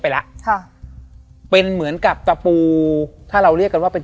ไปแล้วค่ะเป็นเหมือนกับตะปูถ้าเราเรียกกันว่าเป็น